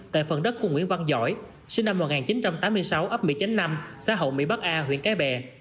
tại phần đất của nguyễn văn giỏi sinh năm một nghìn chín trăm tám mươi sáu ấp một mươi chín năm xã hội mỹ bắc a huyện cái bè